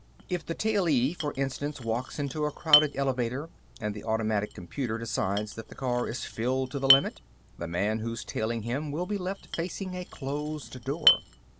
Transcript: If the tailee, for instance, walks into a crowded elevator and the automatic computer decides that the car is filled to the limit, the man who's tailing him will be left facing a closed door.